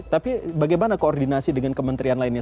tapi bagaimana koordinasi dengan kementerian lainnya